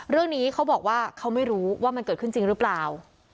เรื่องนี้เขาบอกว่าเขาไม่รู้ว่ามันเกิดขึ้นจริงหรือเปล่า